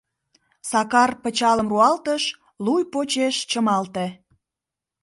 Сакар пычалым руалтыш, луй почеш чымалте.